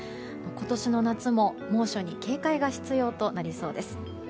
今年の夏も、猛暑に警戒が必要となりそうです。